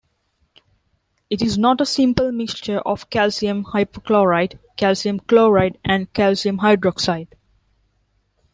It is not a simple mixture of calcium hypochlorite, calcium chloride, and calcium hydroxide.